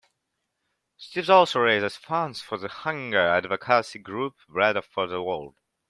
Steves also raises funds for the hunger advocacy group Bread for the World.